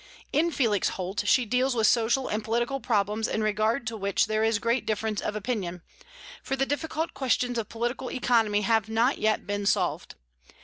In "Felix Holt" she deals with social and political problems in regard to which there is great difference of opinion; for the difficult questions of political economy have not yet been solved.